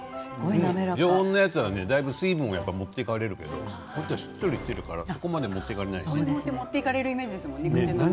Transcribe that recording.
常温のやつは、だいぶ水分を持っていかれるけどこれはしっとりしているからそこまで持っていかれない。